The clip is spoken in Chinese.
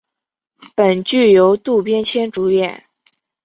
本剧由渡边谦主演。